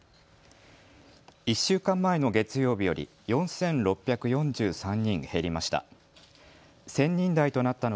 １週間前の月曜日より４６４３人減りました。